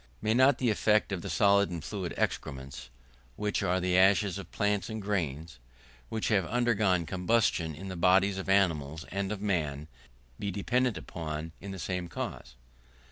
May not the effect of the solid and fluid excrements, which are the ashes of plants and grains, which have undergone combustion in the bodies of animals and of man, be dependent upon the same cause?